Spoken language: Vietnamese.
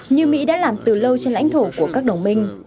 như mỹ đã làm từ lâu trên lãnh thổ của các đồng minh